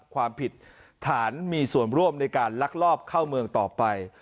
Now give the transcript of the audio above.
ความผิดฐานมีส่วนร่วมในการลักลอบเข้าเมืองต่อไป